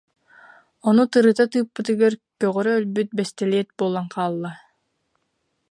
Ону тырыта тыыппытыгар көҕөрө өлбүт бэстилиэт буолан хаалла